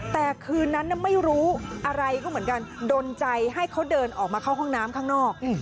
แต่คืนนั้นไม่รู้อะไรก็เหมือนกันดนใจให้เขาเดินออกมาเข้าห้องน้ำข้างนอก